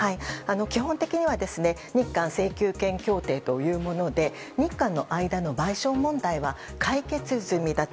基本的には日韓請求権協定というもので日韓の間の賠償問題は解決済みだと。